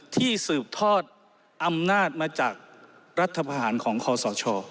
ที่สืบทอดอำนาจมาจากรัฐภาษณ์ของคศช